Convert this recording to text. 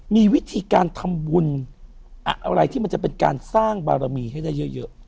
มีวิธีการทำบุญอะไรที่มันจะเป็นการสร้างบารมีให้ได้เยอะ